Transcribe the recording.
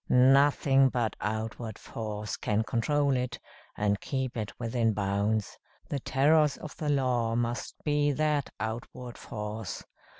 Nothing but outward force can control it, and keep it within bounds. The terrors of the law must be that outward force.